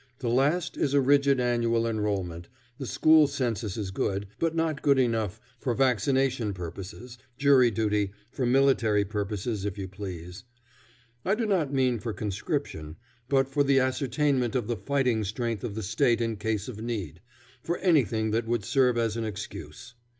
The last is a rigid annual enrolment the school census is good, but not good enough for vaccination purposes, jury duty, for military purposes if you please. I do not mean for conscription, but for the ascertainment of the fighting strength of the State in case of need for anything that would serve as an excuse.